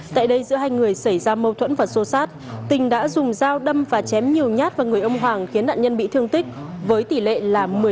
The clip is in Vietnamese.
tại đây giữa hai người xảy ra mâu thuẫn và xô xát tình đã dùng dao đâm và chém nhiều nhát vào người ông hoàng khiến nạn nhân bị thương tích với tỷ lệ là một mươi một